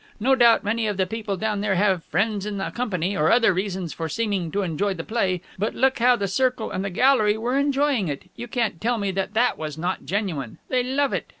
No doubt many of the people down here have friends in the company or other reasons for seeming to enjoy the play, but look how the circle and the gallery were enjoying it! You can't tell me that that was not genuine. They love it.